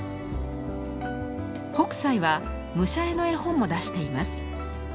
北斎は武者絵の絵本も出しています。